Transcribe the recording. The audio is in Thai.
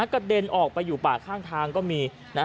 กระเด็นออกไปอยู่ป่าข้างทางก็มี